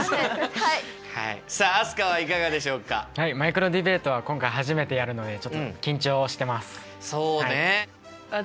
はいマイクロディベートは今回初めてやるのでちょっと緊張してます。